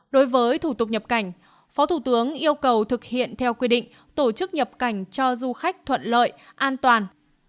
đối với thủ tục nhập cảnh phó thủ tướng yêu cầu thực hiện theo quy định tổ chức nhập cảnh cho du khách thuận lợi an toàn